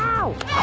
あ！